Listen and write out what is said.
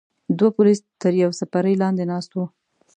دوه پولیس تر یوې څپرې لاندې ناست وو.